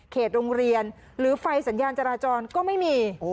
โรงเรียนหรือไฟสัญญาณจราจรก็ไม่มี